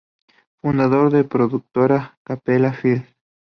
Fundador de la productora Cappella Films.